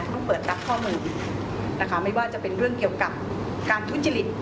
ต้องเปิดรับข้อมือนะคะไม่ว่าจะเป็นเรื่องเกี่ยวกับการทุจริต